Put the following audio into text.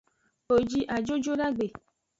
Wo ji ajo jodagbe.